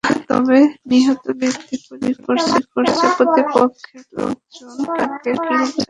তবে নিহত ব্যক্তির পরিবার দাবি করছে, প্রতিপক্ষের লোকজন তাঁকে কিল-ঘুষি দিয়েছে।